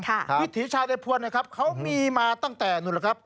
วิถีชาวไทยภวรเขามีมาตั้งแต่นู่น